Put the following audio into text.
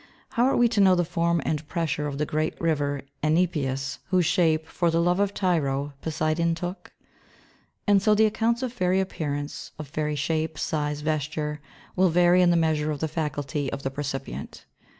How are we to know the form and pressure of the great river Enipeus, whose shape, for the love of Tyro, Poseidon took? And so the accounts of fairy appearance, of fairy shape, size, vesture, will vary in the measure of the faculty of the percipient.